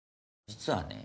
実はね